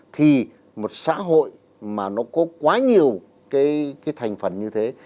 thì một xã hội mà nó có quá nhiều cái thành phần như thế